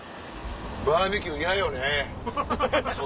バーベキュー嫌よね外。